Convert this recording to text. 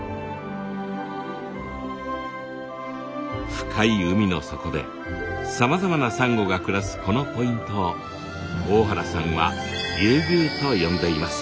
深い海の底でさまざまなサンゴが暮らすこのポイントを大原さんは竜宮と呼んでいます。